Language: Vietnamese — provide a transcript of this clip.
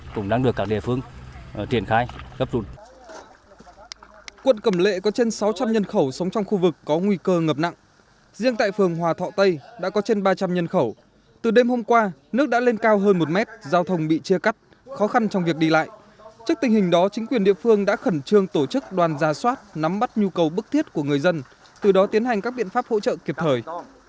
quận cẩm lệ có trên sáu trăm linh nhân khẩu sống trong khu vực có nguy cơ ngập nặng riêng tại phường hòa thọ tây đã có trên ba trăm linh nhân khẩu từ đêm hôm qua nước đã lên cao hơn một mét giao thông bị chia cắt khó khăn trong việc đi lại trước tình hình đó chính quyền địa phương đã khẩn trương tổ chức đoàn gia soát nắm bắt nhu cầu bức thiết của người dân từ đó tiến hành các biện pháp hỗ trợ kịp thời